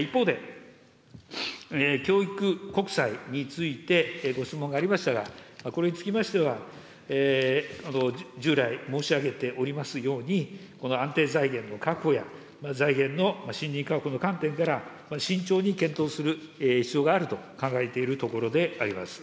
一方で、教育国債についてご質問がありましたが、これにつきましては、従来申し上げておりますように、この安定財源の確保や財源の信認確保の観点から、慎重に検討する必要があると考えているところであります。